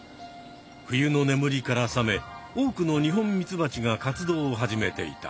冬のねむりから覚め多くのニホンミツバチが活動を始めていた。